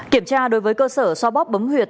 kiểm tra đối với cơ sở xoa bóp bấm huyệt